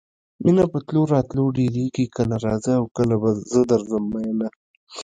مینه په تلو راتلو ډېرېږي کله راځه او کله به زه درځم میینه.